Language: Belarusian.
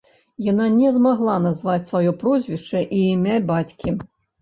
Яна не змагла назваць сваё прозвішча і імя бацькі.